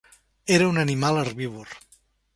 Era un animal herbívor.